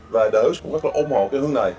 và đỡ cũng rất là ôm hộ cái hướng này